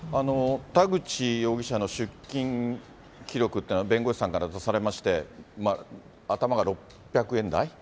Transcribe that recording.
田口容疑者の出金記録っていうのは、弁護士さんから出されまして、残高が。